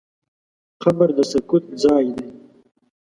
قبر د سکوت ځای دی.